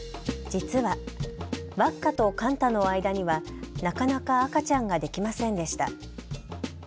実は、ワッカとカンタの間には、なかなか赤ちゃんができませんでした。